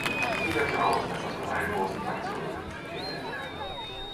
Ich gehe davon aus, dass das von allen großen Fraktionen akzeptiert werden kann.